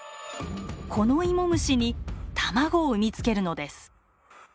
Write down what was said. このイモムシに卵を産みつけるのです。